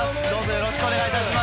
よろしくお願いします